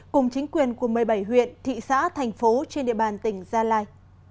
cùng chính quyền của một mươi bảy huyện thị xã thành phố trên địa bàn tỉnh gia lai